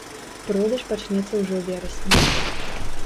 Продаж пачнецца ўжо ў верасні.